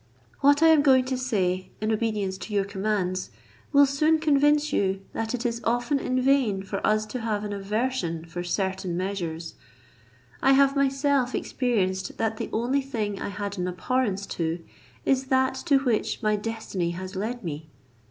What I am going to say, in obedience to your commands, will soon convince you, that it is often in vain for us to have an aversion for certain measures; I have myself experienced that the only thing I had an abhorrence to, is that to which my destiny has led me."